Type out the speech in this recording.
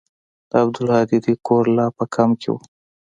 د عبدالهادي دوى کور لا په کمپ کښې و.